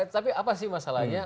tapi apa sih masalahnya